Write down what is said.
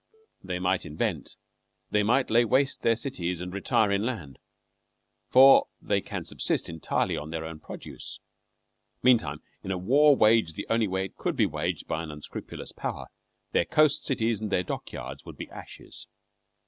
They might invent. They might lay waste their cities and retire inland, for they can subsist entirely on their own produce. Meantime, in a war waged the only way it could be waged by an unscrupulous Power, their coast cities and their dock yards would be ashes.